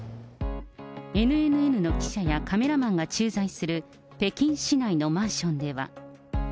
ＮＮＮの記者やカメラマンが駐在する北京市内のマンションでは。